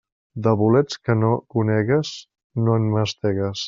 De bolets que no conegues, no en mastegues.